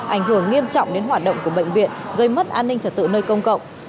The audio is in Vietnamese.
ảnh hưởng nghiêm trọng đến hoạt động của bệnh viện gây mất an ninh trật tự nơi công cộng